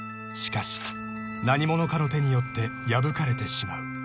しかし何者かの手によって破かれてしまう］